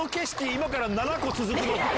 今から７個続くのか？